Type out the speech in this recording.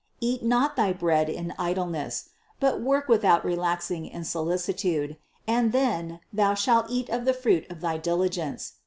Eat not thy bread in idleness; but work without relaxing in solicitude, and then thou shalt eat of the fruit of thy diligence.